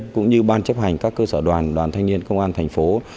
cũng như ban chấp hành các cơ sở đoàn đoàn thanh niên công an thành phố